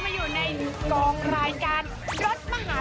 สวัสดีครับคุณผู้ชมครับ